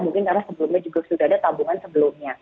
mungkin karena sebelumnya juga sudah ada tabungan sebelumnya